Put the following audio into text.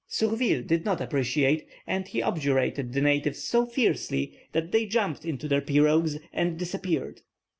Surville did not appreciate, and he objurgated the natives so fiercely, that they jumped into their pirogues, and disappeared.